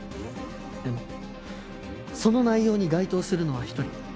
でもその内容に該当するのは一人。